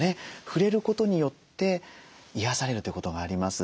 触れることによって癒やされるということがあります。